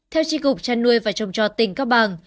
theo tri cục trăn nuôi và trồng cho tỉnh cao bằng